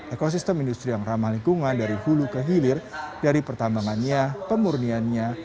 ekosistem industri yang ramah lingkungan dari hulu ke hilir dari pertambangannya pemurniannya